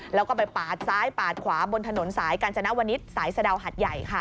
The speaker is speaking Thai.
แล้วก็ไปปาดซ้ายปาดขวาบนถนนสายกาญจนวนิษฐ์สายสะดาวหัดใหญ่ค่ะ